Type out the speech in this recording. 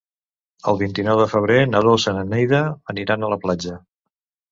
El vint-i-nou de febrer na Dolça i na Neida aniran a la platja.